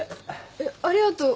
えっありがとう。